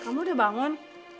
kamu udah bangun